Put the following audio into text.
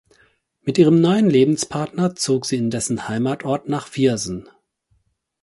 Mit ihrem neuen Lebenspartner zog sie in dessen Heimatort nach Viersen.